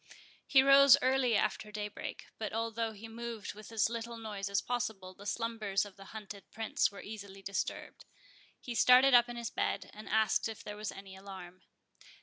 He rose early after daybreak; but although he moved with as little noise as was possible, the slumbers of the hunted Prince were easily disturbed. He started up in his bed, and asked if there was any alarm.